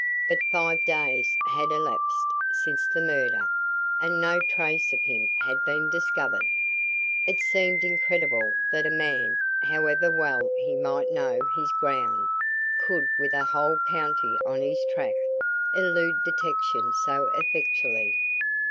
But five days had elapsed since the murder, and no trace of him had been discovered. It seemed incredible that a man, however well he might know his ground, could, with a whole county on his track, elude detection so effectually.